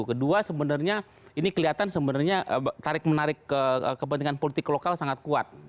kedua sebenarnya ini kelihatan sebenarnya tarik menarik kepentingan politik lokal sangat kuat